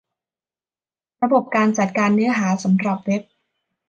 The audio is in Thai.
ระบบการจัดการเนื้อหาสำหรับเว็บ